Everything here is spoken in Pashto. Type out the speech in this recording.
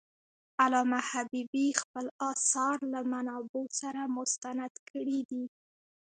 علامه حبيبي خپل آثار له منابعو سره مستند کړي دي.